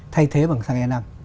thay thế bằng săng e năm